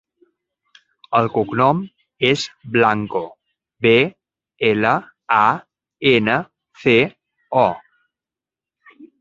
El cognom és Blanco: be, ela, a, ena, ce, o.